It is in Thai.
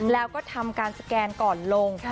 แล้วก็ทำการสแกนก่อนลง